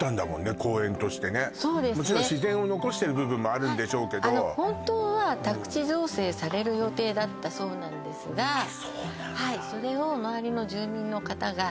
もちろん自然を残してる部分もあるんでしょうけどあの本当は宅地造成される予定だったそうなんですがあっそうなんだは